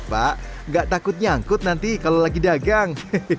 pak gak takut nyangkut nanti kalau lagi dagang